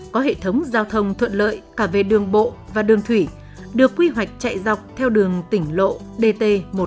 có hệ thống giao thông thuận lợi cả về đường bộ và đường thủy được quy hoạch chạy dọc theo đường tỉnh lộ dt một trăm một mươi năm